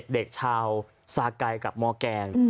เด็กชาวซาไก่กับมแกง